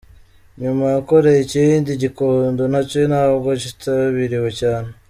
Nyuma yakoreye ikindi i Gikondo, nacyo ntabwo kitabiriwe cyane.